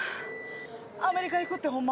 アメリカ行くってホンマ？